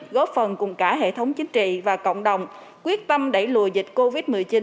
góp phần cùng cả hệ thống chính trị và cộng đồng quyết tâm đẩy lùi dịch covid một mươi chín